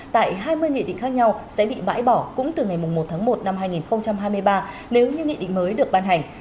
tại hai mươi nghị định khác nhau sẽ bị bãi bỏ cũng từ ngày một tháng một năm hai nghìn hai mươi ba nếu như nghị định mới được ban hành